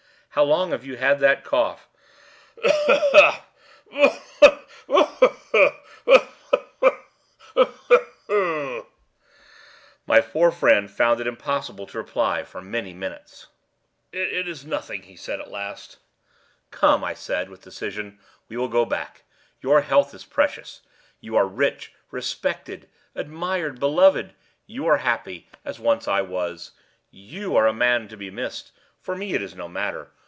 "How long have you had that cough?" "Ugh! ugh! ugh!—ugh! ugh! ugh!—ugh! ugh! ugh!—ugh! ugh! ugh!—ugh! ugh! ugh!" My poor friend found it impossible to reply for many minutes. "It is nothing," he said, at last. "Come," I said, with decision, "we will go back; your health is precious. You are rich, respected, admired, beloved; you are happy, as once I was. You are a man to be missed. For me it is no matter.